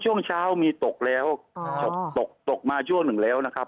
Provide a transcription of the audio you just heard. ช่วงเช้ามีตกแล้วตกตกตกมาช่วงหนึ่งแล้วนะครับ